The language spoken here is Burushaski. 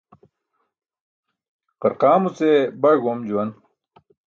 Qarqaamuce baý goom juwan.